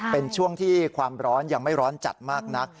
เป็นช่วงที่ความร้อนยังไม่ร้อนจัดมากนัก